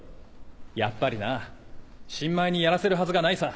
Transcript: やっぱりな新米にやらせるはずがないさ。